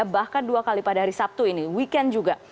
bahkan dua kali pada hari sabtu ini weekend juga